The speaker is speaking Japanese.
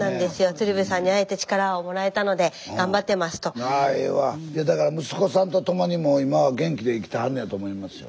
いやだから息子さんと共にもう今は元気で生きてはるんやと思いますよ。